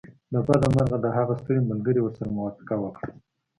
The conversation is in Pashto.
له بده مرغه د هغه ستړي ملګري ورسره موافقه وکړه